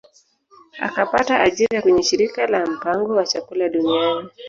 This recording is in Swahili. Akapata ajira kwenye shirika la mpango wa chakula duniani